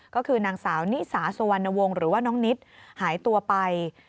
ก็คือนางสาวนิสาสุวรรณวงศ์หรือว่าน้องนิดหายตัวไป